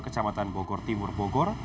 kecamatan bogor timur bogor